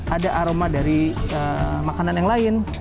ada aroma dari makanan yang lain